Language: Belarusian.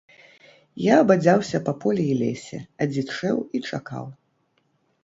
Я бадзяўся па полі і лесе, адзічэў і чакаў.